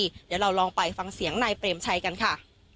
เดี๋ยวเราลองไปฟังเสียงนายเปรมชัยกันค่ะ